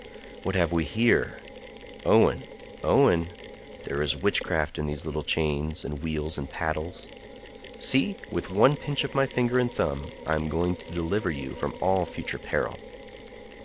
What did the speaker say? "What have we here? Owen! Owen! there is witchcraft in these little chains, and wheels, and paddles. See! with one pinch of my finger and thumb I am going to deliver you from all future peril."